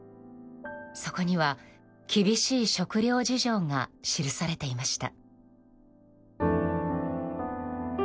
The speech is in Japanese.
そこには、厳しい食糧事情が記されていました。